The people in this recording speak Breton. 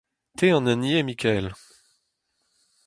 Te an hini eo Mikael.